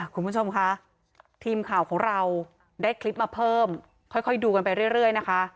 คุณผู้ชมคะทีมข่าวของเราได้คลิปมาเพิ่มค่อยดูกันไปเรื่อยนะคะ